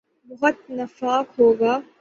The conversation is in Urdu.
بہت نفاق ہو گا۔